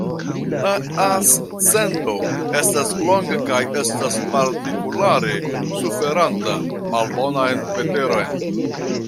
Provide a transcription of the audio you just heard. La ascendo estas longa kaj estas partikulare suferanta malbonan veteron.